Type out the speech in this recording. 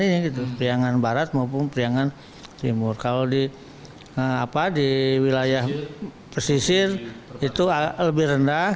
ini gitu piangan barat maupun piangan timur kalau di apa di wilayah pesisir itu lebih rendah